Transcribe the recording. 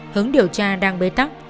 hướng điều tra đang bê tắc